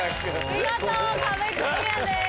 見事壁クリアです。